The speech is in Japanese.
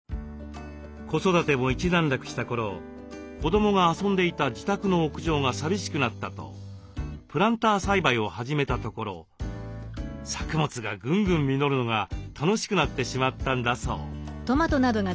子育ても一段落した頃子どもが遊んでいた自宅の屋上が寂しくなったとプランター栽培を始めたところ作物がぐんぐん実るのが楽しくなってしまったんだそう。